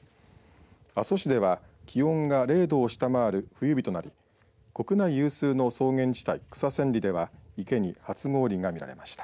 阿蘇市では気温が０度を下回る冬日となり国内有数の草原地帯、草千里では池に初氷が見られました。